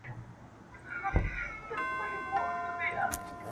سږو سرطان وژونکی دی.